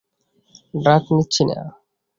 ডাক নিচ্ছি না।